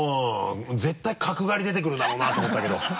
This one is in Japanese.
絶対角刈り出てくるだろうなと思ったけど。